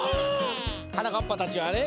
はなかっぱたちはね